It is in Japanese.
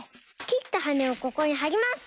きったはねをここにはります！